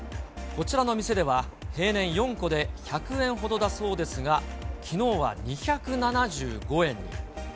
こちらの店では、平年４個で１００円ほどだそうですが、きのうは２７５円に。